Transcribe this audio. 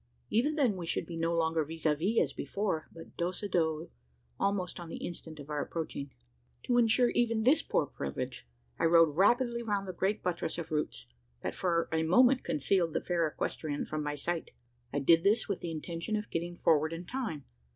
Even then we should be no longer vis a vis as before, but dos a dos, almost on the instant of our approaching! To insure even this poor privilege, I rode rapidly round the great buttress of roots, that for a moment concealed the fair equestrian from my sight. I did this with the intention of getting forward in time.